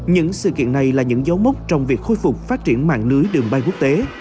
những sự kiện này là những dấu mốc trong việc khôi phục phát triển mạng lưới đường bay quốc tế